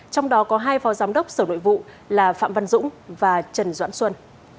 trong đó có hai phó giám đốc sở nội vụ là phạm văn dũng và trần doãn xuân